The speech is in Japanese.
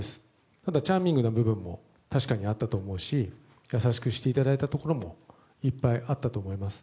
ただ、チャーミングな部分も確かにあったと思うし優しくしていただいたところもいっぱいあったと思います。